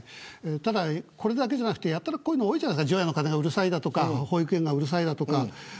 ただ、これだけじゃなくてやたらこういうの多いじゃないですか除夜の鐘がうるさいだとか保育園がうるさいだとか。